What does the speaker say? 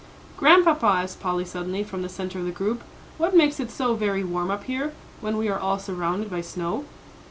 "Grandpapa," asked Polly, suddenly, from the centre of the group, "what makes it so very warm up here, when we are all surrounded by snow?"